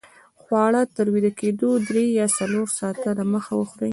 خواړه تر ویده کېدو درې یا څلور ساته دمخه وخورئ